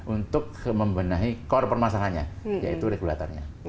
untuk membenahi core permasalahannya yaitu regulatornya